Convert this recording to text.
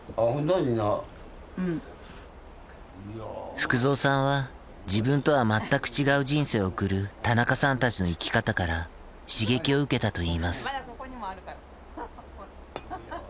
福蔵さんは自分とは全く違う人生を送る田中さんたちの生き方から刺激を受けたといいます。